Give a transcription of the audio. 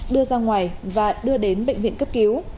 đưa ra ngoài và đưa đến bệnh viện cấp cứu